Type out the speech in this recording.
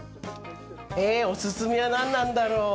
お勧めは何なんだろう。